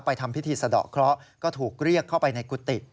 ทำพิธีสะดอกเคราะห์ก็ถูกเรียกเข้าไปในกุฏิ